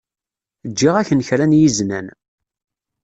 Ǧǧiɣ-ak-n kra n yiznan.